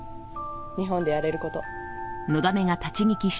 日本でやれること。